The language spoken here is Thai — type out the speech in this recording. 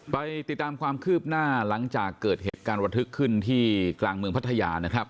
ไปติดตามความคืบหน้าหลังจากเกิดเหตุการณ์ระทึกขึ้นที่กลางเมืองพัทยานะครับ